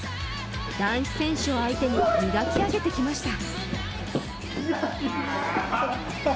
男子選手を相手に磨き上げてきました。